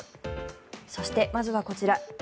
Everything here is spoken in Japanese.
そして、まずはこちら。